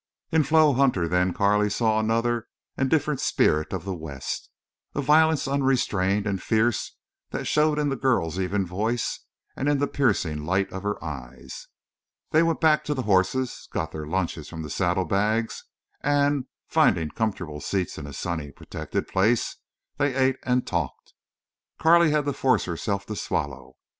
In Flo Hutter then Carley saw another and a different spirit of the West, a violence unrestrained and fierce that showed in the girl's even voice and in the piercing light of her eyes. They went back to the horses, got their lunches from the saddlebags, and, finding comfortable seats in a sunny, protected place, they ate and talked. Carley had to force herself to swallow.